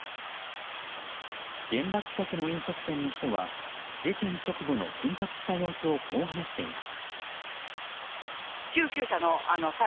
現場近くの飲食店の人は事件直後の緊迫した様子をこう話しています。